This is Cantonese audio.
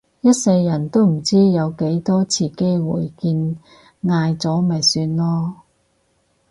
一世人都唔知有幾多次機會見嗌咗咪算囉